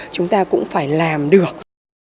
chúng ta cũng phải làm được